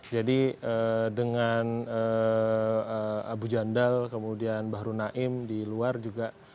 jadi dengan abu jandal kemudian bahru naim di luar juga